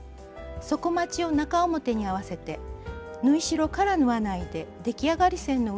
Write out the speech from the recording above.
底まちを中表に合わせて縫い代から縫わないで出来上がり線の上だけを縫います。